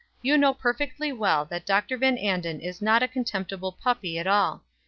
You know perfectly well that Dr. Van Anden is not a contemptible puppy at all.